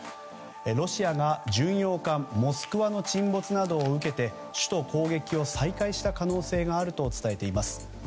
ロシアが巡洋艦「モスクワ」の沈没などを受けて首都攻撃を再開した可能性があると伝えています。